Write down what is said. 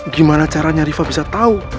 gimana caranya rifa bisa tahu